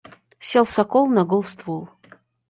Сел сокол на гол ствол.